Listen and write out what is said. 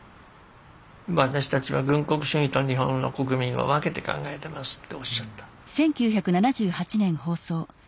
「私たちは軍国主義と日本の国民は分けて考えてます」っておっしゃったの。